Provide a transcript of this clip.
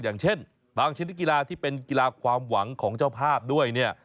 อย่างเช่นบางชนิดกีฬาที่เป็นกีฬาความหวังของเจ้าภาพด้วยเนี่ย